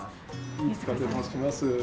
飯塚と申します。